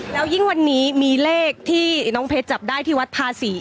แล้วยิ่งวันนี้มีเลขที่น้องเพชรจับได้ที่วัดภาษี